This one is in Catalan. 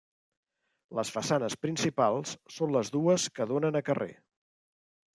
Les façanes principals són les dues que donen a carrer.